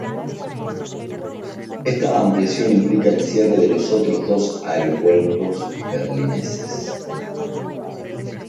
Esta ampliación implica el cierre de los otros dos aeropuertos berlineses.